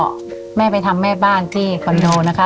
ก็แม่ไปทำแม่บ้านที่คอนโดนะคะ